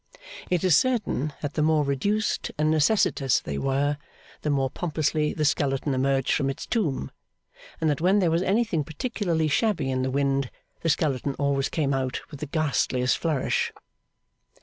It is certain that the more reduced and necessitous they were, the more pompously the skeleton emerged from its tomb; and that when there was anything particularly shabby in the wind, the skeleton always came out with the ghastliest flourish.